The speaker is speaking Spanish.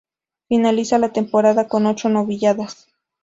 Finaliza la temporada con ocho novilladas.